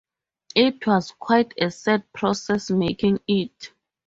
It was quite a sad process making it.